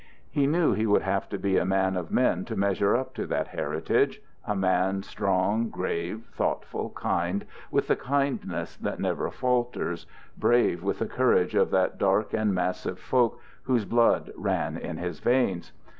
He knew he would have to be a man of men to measure up to that heritage, a man strong, grave, thoughtful, kind with the kindness that never falters, brave with the courage of that dark and massive folk whose blood ran in his veins.